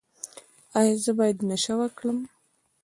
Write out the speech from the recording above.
ایا زه باید نشه وکړم؟